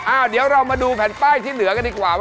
เดี๋ยวเรามาดูแผ่นป้ายที่เหลือกันดีกว่าว่า